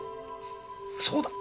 そうだ！